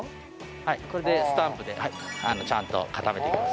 これでスタンプでちゃんと固めていきます。